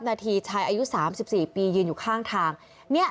นาทีชายอายุสามสิบสี่ปียืนอยู่ข้างทางเนี้ย